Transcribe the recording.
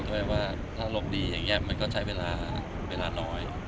ถ้าลมดีอย่างนี้มันก็ใช้เวลาน้อย